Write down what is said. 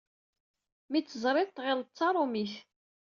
Mi tt-teẓriḍ tɣilleḍ d taṛumit.